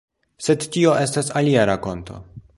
Sed tio estas alia rakonto.